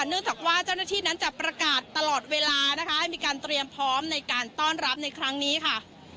เนื่องจากว่าเจ้าหน้าที่นั้นจะประกาศตลอดเวลานะคะให้มีการเตรียมพร้อมในการต้อนรับในครั้งนี้ค่ะ